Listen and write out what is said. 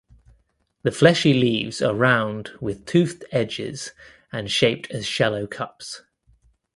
The fleshy leaves are round with toothed edges and shaped as shallow cups.